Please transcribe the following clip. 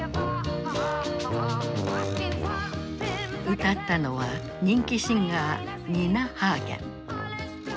歌ったのは人気シンガーニナ・ハーゲン。